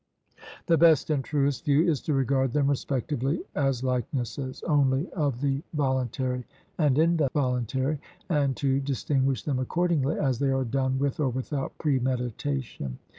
The best and truest view is to regard them respectively as likenesses only of the voluntary and involuntary, and to distinguish them accordingly as they are done with or without premeditation.